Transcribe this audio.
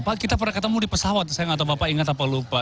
pak kita pernah ketemu di pesawat saya nggak tahu bapak ingat apa lupa